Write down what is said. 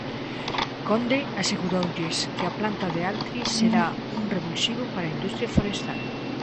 Conde aseguroulles que a planta de Altri será un revulsivo para a industria forestal.